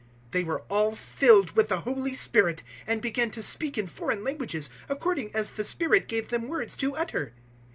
002:004 They were all filled with the Holy Spirit, and began to speak in foreign languages according as the Spirit gave them words to utter.